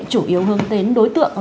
chủ yếu hướng đến đối tượng